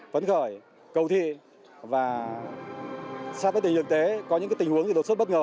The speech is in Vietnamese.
phấn khởi cầu thi và sắp đến tình hình thực tế có những tình huống đột xuất bất ngờ